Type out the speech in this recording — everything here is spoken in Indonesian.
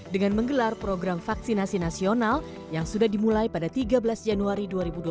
dengan menggelar program vaksinasi nasional yang sudah dimulai pada tiga belas januari dua ribu dua puluh